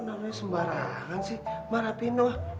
namanya sembarangan sih marah pindah